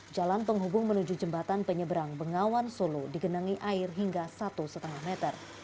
jalan penghubung menuju jembatan penyeberang bengawan solo digenangi air hingga satu lima meter